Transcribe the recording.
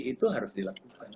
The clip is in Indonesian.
itu harus dilakukan